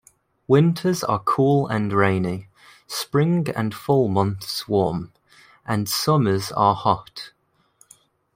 Winters are cool and rainy, spring and fall months warm, and summers are hot.